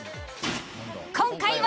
今回は。